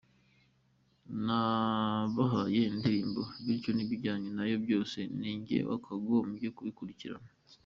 Nabahaye indirimbo bityo n’ibijyanye nayo byose ni njye wakagombye kubikurikirana”.